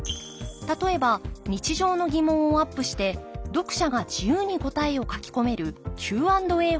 例えば日常の疑問をアップして読者が自由に答えを書き込めるＱ＆Ａ方式のもの。